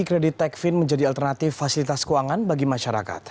kredit techfin menjadi alternatif fasilitas keuangan bagi masyarakat